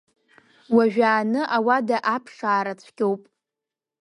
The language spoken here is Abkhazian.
Уажәааны ауада аԥшаара цәгьоуп.